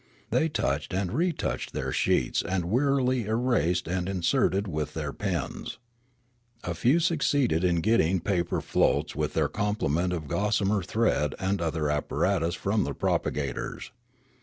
They touched and retouched their sheets and wearily erased and in serted with their pens. A few succeeded in getting paper floats with their complement of gossamer thread and other apparatus from the propagators.